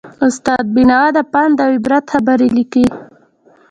استاد بینوا د پند او عبرت خبرې لیکلې.